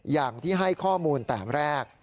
อย่างที่ให้ข้อมูลแต่แรก